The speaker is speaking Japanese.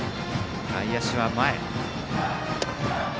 外野手は前。